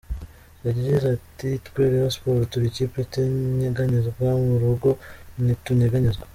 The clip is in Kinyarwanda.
Yagize ati “Twe Rayon Sports turi ikipe itanyeganyezwa mu rugo, ntitunyeganyezwa.